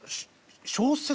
小説。